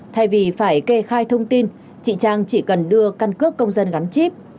thay vì phải kê khai thông tin chị trang chỉ cần đưa căn cước công dân gắn chip